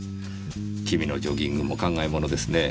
君のジョギングも考え物ですねぇ。